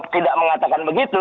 tidak mengatakan begitu